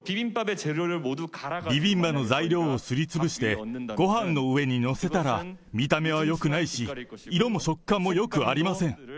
ビビンバの材料をすりつぶしてごはんの上に載せたら、見た目はよくないし、色も食感もよくありません。